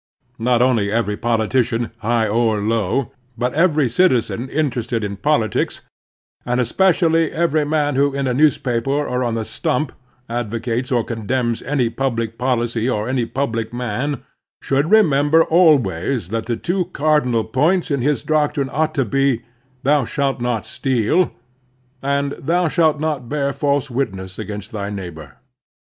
Not only every politician, high or low, but every citizen interested in politics, and especially every man who, in a newspaper or on the stump, advocates or condemns any public policy or any public man, should remember always that the two cardinal points in his doctrine ought to be, "Thou shalt not steal," and "Thou shalt not bear false witness against thy neighbor."